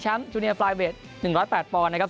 ชั้มชูเนอร์ฟรายเวทหนึ่งร้อยแปดป้อนนะครับ